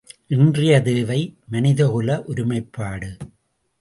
இன்றையத் தேவை மனிதகுல ஒருமைப்பாடு.